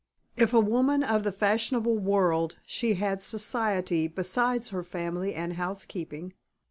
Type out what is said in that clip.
If a woman of the fashionable world she had Society besides her family and housekeeping.